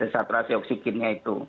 saturasi oksigennya itu